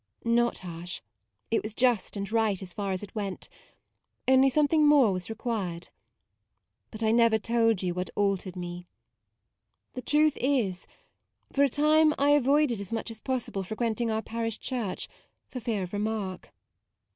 " Not harsh : it was just and right as far as it went, only something more was required. But I never told you what altered me. The truth is, for a time I avoided as much as possible frequenting our parish church, for fear of remark.